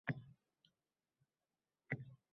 Ammo men unda tarbiyani ko‘rdim.